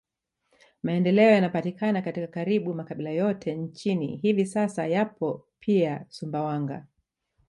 Maendeleo yanayopatikana katika karibu makabila yote nchini hivi sasa yapo pia Sumbawanga